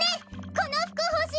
このふくほしい！